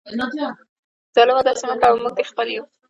ظالمه داسي مه کوه ، موږ دي خپل یو